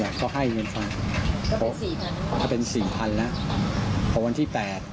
ก็ให้เงินค่ะ